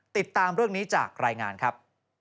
ติดตามเรื่องนี้จากรายงานครับ